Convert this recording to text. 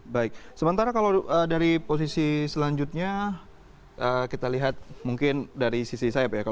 baik sementara kalau dari posisi selanjutnya kita lihat mungkin dari sisi sayap ya